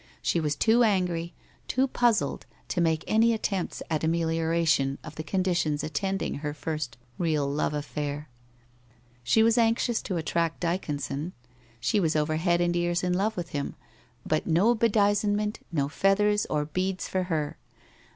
She was too angry, too puzzled to make any attempts at amelioration of the conditions attending her first real love affair. She was anxious to attract Dyconson; she was over head and ears in love with him, but no bedizenments, no feathers or beads for her!